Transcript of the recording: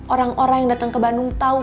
orang orang yang datang ke bandung tahu